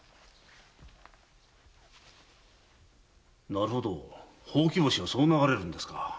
なるほどほうき星はそう流れるのですか。